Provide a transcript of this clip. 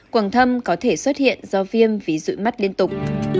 quảng thâm có thể xuất hiện do viêm vì rụi mắt liên tục